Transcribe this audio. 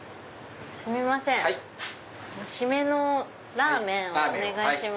すみません締めのラーメンをお願いします。